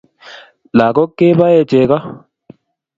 Lagok keboe chego